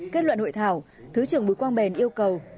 kết luận hội thảo thứ trưởng bùi quang bền yêu cầu